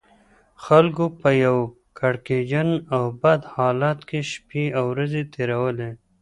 خلکو په یو کړکېچن او بد حالت کې شپې او ورځې تېرولې.